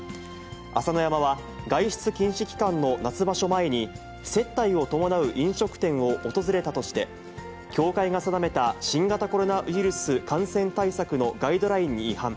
朝乃山は外出禁止期間の夏場所前に、接待を伴う飲食店を訪れたとして、協会が定めた新型コロナウイルス感染対策のガイドラインに違反。